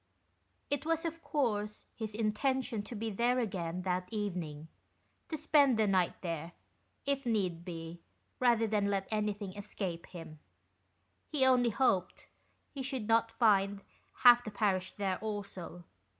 It was, of course, his intention to be there again that evening : to spend the night there, if need be, rather than let anything escape him. He only hoped he should not find half the parish there also.